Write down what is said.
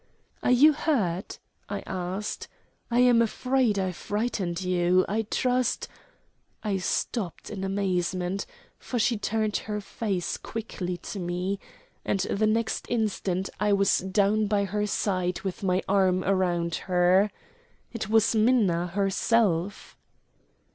"Are you hurt?" I asked. "I am afraid I frightened you. I trust " I stopped in amazement, for she turned her face quickly to me, and the next instant I was down by her side with my arm round her. It was Minna herself.